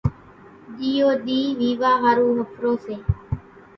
ڄيئو ۮِي ويوا ۿارُو ۿڦرو سي۔